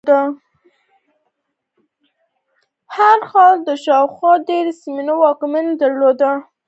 هر ښار شاوخوا ډېرو سیمو واکمني درلوده.